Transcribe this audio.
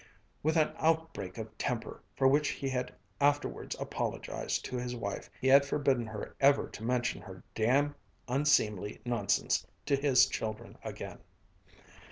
With an outbreak of temper, for which he had afterwards apologized to his wife, he had forbidden her ever to mention her damn unseemly nonsense to his children again.